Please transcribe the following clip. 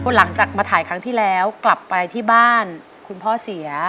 หลังจากมาถ่ายครั้งที่แล้วกลับไปที่บ้านคุณพ่อเสีย